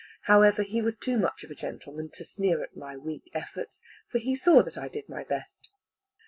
However, he was too much of a gentleman to sneer at my weak efforts, for he saw that I did my best.